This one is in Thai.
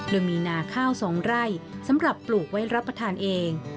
โดยมีนาข้าว๒ไร่สำหรับปลูกไว้รับประทานเอง